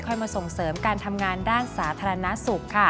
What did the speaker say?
มาส่งเสริมการทำงานด้านสาธารณสุขค่ะ